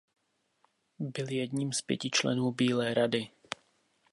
Byl jedním z pěti členů Bílé rady.